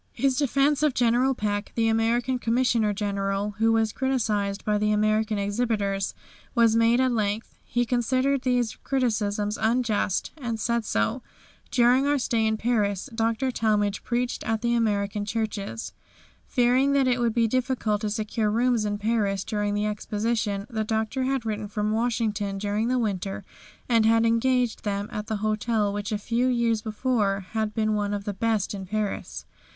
His defence of General Peck, the American Commissioner General, who was criticised by the American exhibitors, was made at length. He considered these criticisms unjust, and said so. During our stay in Paris Dr. Talmage preached at the American churches. Fearing that it would be difficult to secure rooms in Paris during the Exposition, the Doctor had written from Washington during the winter and engaged them at the hotel which a few years before had been one of the best in Paris.